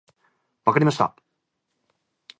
分かりました。